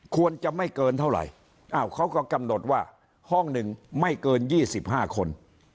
ควรจะไม่เกินเท่าไหร่เขาก็กำหนดว่าห้องหนึ่งไม่เกิน๒๕คน